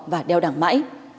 và đeo đẳng mãi